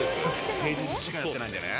平日しかやってないんでね。